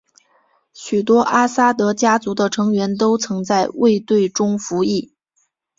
许多阿萨德家族的成员都曾在卫队中服役。